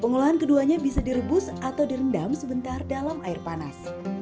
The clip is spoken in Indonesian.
pengolahan keduanya bisa direbus atau direndam sebentar dalam air panas